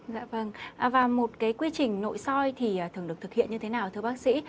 dạ vâng và một cái quy trình nội soi thì thường được thực hiện như thế nào thưa bác sĩ